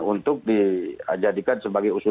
untuk dijadikan sebagai usulan